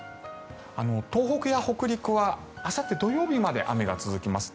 東北や北陸はあさって土曜日まで雨が続きます。